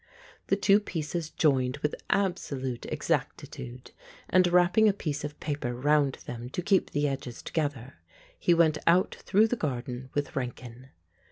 The two pieces joined with absolute exactitude, and wrapping a piece of paper round them to keep the edges together, he went out through the garden with Rankin.